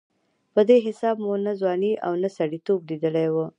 په دې حساب مو نه ځواني او نه سړېتوب لېدلې وه.